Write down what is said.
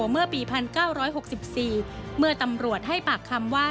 เมื่อปี๑๙๖๔เมื่อตำรวจให้ปากคำว่า